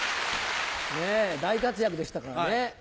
ねぇ大活躍でしたからね。